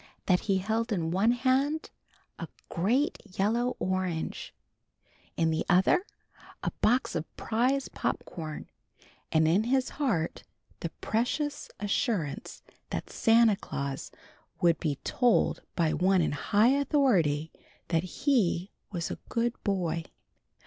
That he held in one hand a great yellow orange, in the other a box of prize pop corn, and in his heart the precious assurance that Santa Claus would be told by one in high authority that he was a good boy.